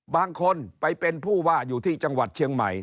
บางคนไปเป็นผู้ว่าอยู่ที่จังหวัดเชียงใหม่